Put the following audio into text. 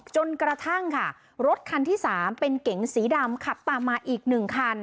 จนกระทั่งค่ะรถคันที่๓เป็นเก๋งสีดำขับตามมาอีก๑คัน